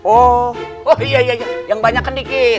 oh iya iya yang banyakan dikit